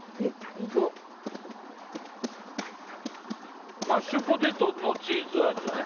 ホントだマッシュポテトのチーズ味だね